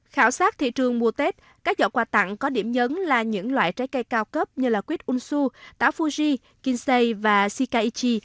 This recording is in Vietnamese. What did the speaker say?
khảo sát thị trường mùa tết các giọt quà tặng có điểm nhấn là những loại trái cây cao cấp như là quýt unsu táo fuji kinsei và shikaichi